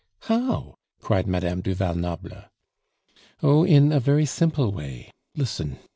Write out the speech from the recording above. "How?" cried Madame du Val Noble. "Oh, in a very simple way. Listen.